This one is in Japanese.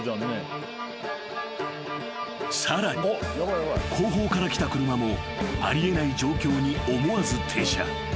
［さらに後方から来た車もあり得ない状況に思わず停車］